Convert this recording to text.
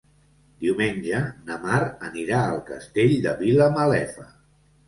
Diumenge na Mar anirà al Castell de Vilamalefa.